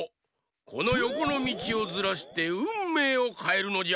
このよこのみちをずらしてうんめいをかえるのじゃ！